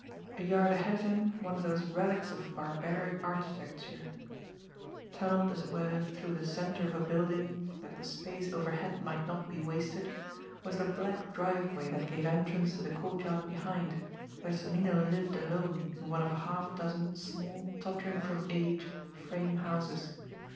A yard ahead of him, one of those relics of barbaric architecture, tunnelled as it were through the centre of a building that the space overhead might not be wasted, was the black driveway that gave entrance to the courtyard behind, where Sonnino lived alone in one of a half dozen small, tottering from age frame houses.